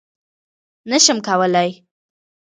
_نه شم کولای.